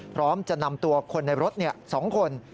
พร้อมจะนำตัวคนในรถ๒คน